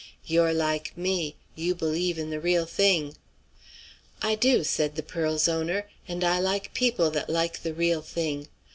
"You're like me; you believe in the real thing." "I do," said the pearl's owner; "and I like people that like the real thing.